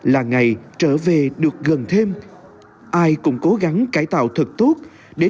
là ngày trở về được gần thêm ai cũng cố gắng cải tạo thật tốt để